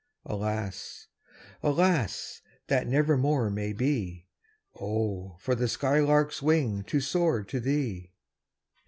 Alas, alas! that never more may be. Oh, for the sky lark's wing to soar to thee!